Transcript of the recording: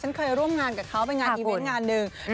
ฉันเคยร่วมงานกับเขาไปนายงานข่าวมีนาน